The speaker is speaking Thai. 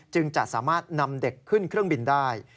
จะสามารถนำเด็กขึ้นเครื่องบินได้